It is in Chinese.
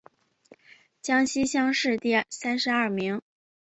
江西乡试第三十二名。